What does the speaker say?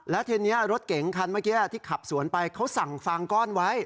แล้วทีนี้รถเก๋งคันเมื่อกี้ที่ขับสวนไปเขาสั่งฟางก้อนไว้